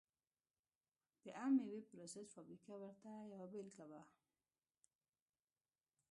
د عم مېوې پروسس فابریکه ورته یوه بېلګه وه.